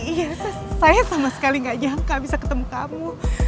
iya saya sama sekali gak nyangka bisa ketemu kamu